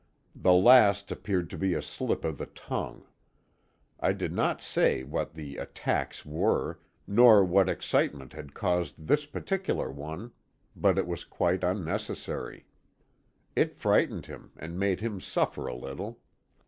The last appeared to be a slip of the tongue. I did not say what the "attacks" were, nor what excitement had caused this particular one, but it was quite unnecessary. It frightened him, and made him suffer a little.